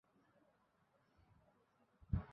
Excuse me, sir.